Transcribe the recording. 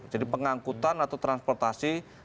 jadi pengangkutan atau transportasi